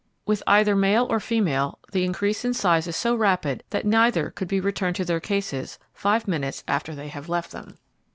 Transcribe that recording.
With either male or female the increase in size is so rapid that neither could be returned to their cases five minutes after they have left them.